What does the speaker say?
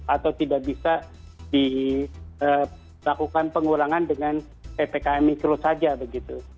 atau tidak bisa dilakukan pengurangan dengan ppkm mikro saja begitu